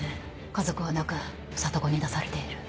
家族はなく里子に出されている。